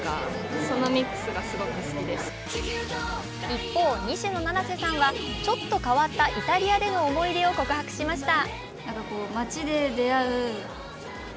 一方、西野七瀬さんは、ちょっと変わったイタリアでの思い出を告白しました。